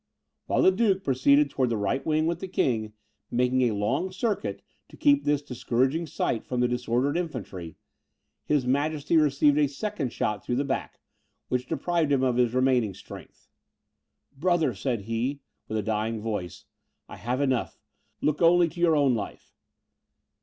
While the duke proceeded towards the right wing with the king, making a long circuit to keep this discouraging sight from the disordered infantry, his majesty received a second shot through the back, which deprived him of his remaining strength. "Brother," said he, with a dying voice, "I have enough! look only to your own life."